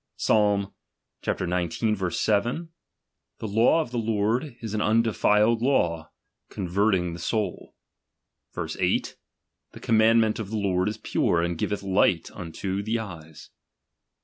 Psalm xix. 7 : The law of the Lord is an undefiled law, converting the soul. Verse 8 : The commandment of the Lord is pure, and giveth light unto the eyes.